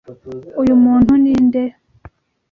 Uyu muntu ninde?